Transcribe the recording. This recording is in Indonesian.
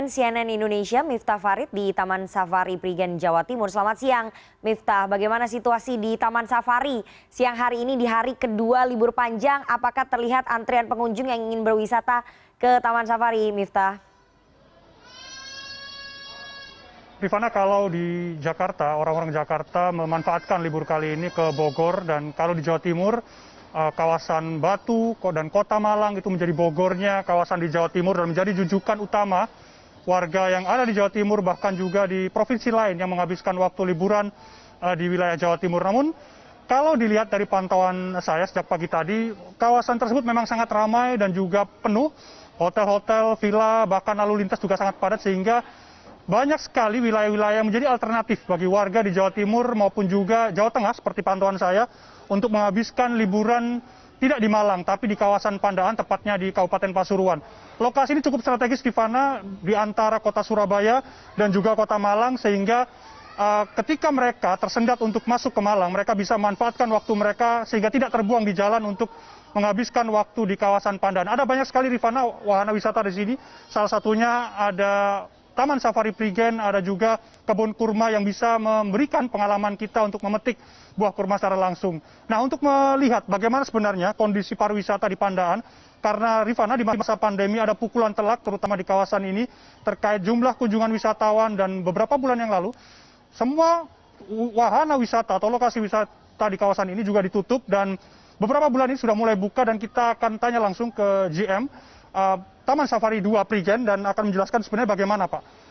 sebenarnya kondisi pariwisata di pandaan karena rifana di masa pandemi ada pukulan telak terutama di kawasan ini terkait jumlah kunjungan wisatawan dan beberapa bulan yang lalu semua wahana wisata atau lokasi wisata di kawasan ini juga ditutup dan beberapa bulan ini sudah mulai buka dan kita akan tanya langsung ke gm taman safari dua prigen dan akan menjelaskan sebenarnya bagaimana pak